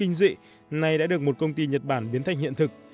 kinh dị nay đã được một công ty nhật bản biến thành hiện thực